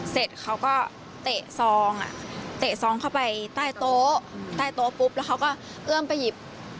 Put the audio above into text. เสร็จเขาก็เตะซองอ่ะเตะซองเข้าไปใต้โต๊ะใต้โต๊ะปุ๊บแล้วเขาก็เอื้อมไปหยิบ